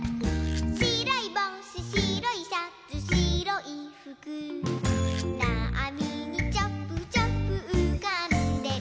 「しろいぼうししろいシャツしろいふく」「なみにチャップチャップうかんでる」